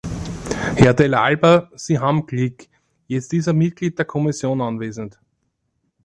Herr Dell'Alba, Sie haben Glück, jetzt ist ein Mitglied der Kommission anwesend!